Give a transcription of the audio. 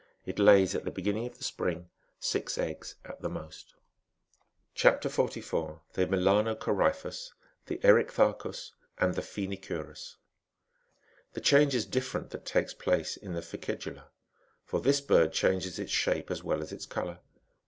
It lays at the beginning of the spring, six eggs at the most. CHAP. 44. — THE MELAN^COETPHUS, THE EEITHACTJS, AND THE PHCENICUIiUS. The change is different that takes place in the ficedula,^ for this bird changes its shape as well as its colour.